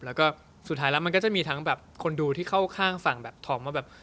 แล้วก็สุดท้ายแล้วมันก็จะมีทั้งแบบคนดูที่เข้าข้างฝั่งแบบทองว่าแบบ